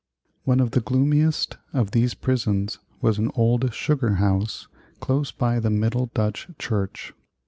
] One of the gloomiest of these prisons was an old sugar house close by the Middle Dutch Church.